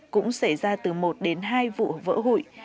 cũng xảy ra từ một đến hai vụ vỡ hụi